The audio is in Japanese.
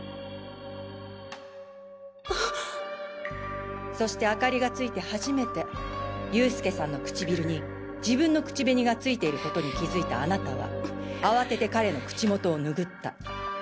あっそして灯りがついて初めて佑助さんの唇に自分の口紅が付いている事に気づいたあなたは慌てて彼の口元を拭った。